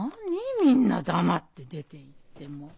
みんな黙って出ていってもう。